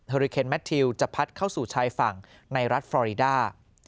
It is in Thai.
อริเคนแมททิวจะพัดเข้าสู่ชายฝั่งในรัฐฟอรีดา